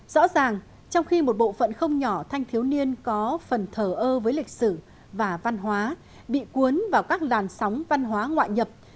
rõ ràng trong khi một bộ phận không nhỏ thanh thiếu niên có phần thở ơ với lịch sử và văn hóa bị cuốn vào các làn sóng văn hóa ngoại nhập